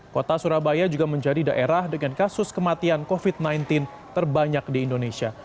kota surabaya juga menjadi daerah dengan kasus kematian covid sembilan belas terbanyak di indonesia